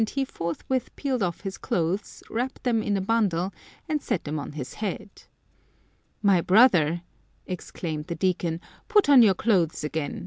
\, 178 Some Crazy Saints he forthwith peeled off his clothes, wrapped them in a bundle, and set them on his head. "My brother!" exclaimed the Deacon, " put on your clothes again.